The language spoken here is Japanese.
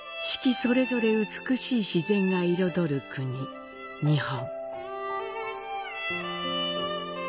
それぞれ美しい自然が彩る国、日本。